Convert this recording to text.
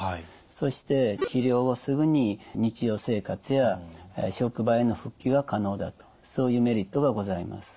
そして治療後すぐに日常生活や職場への復帰は可能だとそういうメリットがございます。